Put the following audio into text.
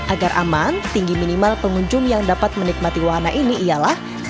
agar aman tinggi minimal pengunjung yang dapat menikmati wahana ini ialah satu ratus sepuluh cm